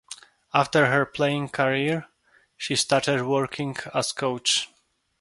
After her playing career she started working as coach.